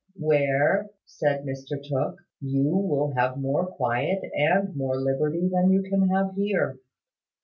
"Where," said Mr Tooke, "you will have more quiet and more liberty than you can have here.